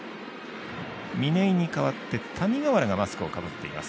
嶺井に代わって谷川原がマスクをかぶっています